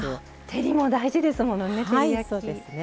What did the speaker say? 照りも大事ですものね。